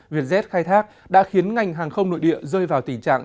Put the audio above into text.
vietjet khai thác đã khiến ngành hàng không nội địa rơi vào tình trạng